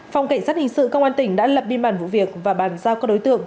phòng cảnh sát hình sự công an tỉnh đã lập biên bản vụ việc và bàn giao các đối tượng